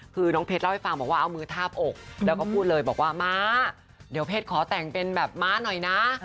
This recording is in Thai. คือน้องเพชรเล่าให้ฟังบอกว่าเอามือทาบอกแล้วก็พูดเลยบอกว่าม้าเดี๋ยวเพชรขอแต่งเป็นแบบม้าหน่อยนะ